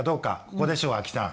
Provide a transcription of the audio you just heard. ここでしょうＡＫＩさん。